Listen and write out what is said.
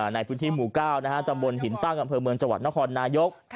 ในพื้นที่หมู่๙ตำบลหินตั้งอำเภอเมืองจังหวัดนครนายก